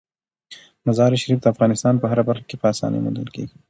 مزارشریف د افغانستان په هره برخه کې په اسانۍ موندل کېږي.